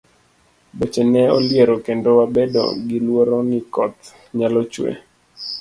Boche ne oliero kendo wabedo gi luoro ni koth nyalo chue.